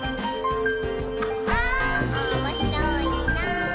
「おもしろいなぁ」